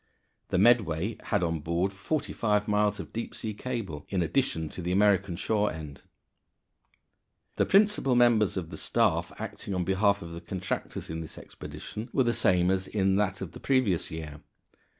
The Medway had on board forty five miles of deep sea cable in addition to the American shore end. The principal members of the staff acting on behalf of the contractors in this expedition were the same as in that of the previous year.